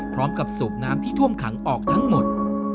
สูบน้ำที่ท่วมขังออกทั้งหมด